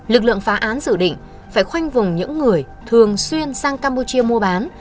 lực lượng phá án dự định phải khoanh vùng những người thường xuyên sang campuchia mua bán